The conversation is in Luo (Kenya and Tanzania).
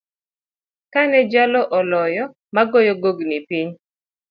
Kane jalo oloyo, magoyo chonggi piny.